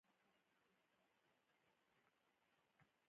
دلته د خان او غریب ترمنځ فرق نه و.